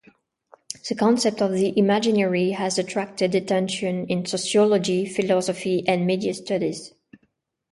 The concept of the imaginary has attracted attention in Sociology, Philosophy, and Media studies.